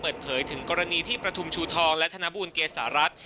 เปิดเผยถึงกรณีที่ประทุมชูทองและธนบูลเกษารัฐ